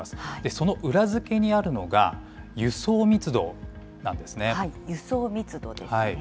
その裏付けにあるのが、輸送密度輸送密度ですね？